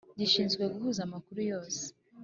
Gishinzwe guhuza amakuru yose.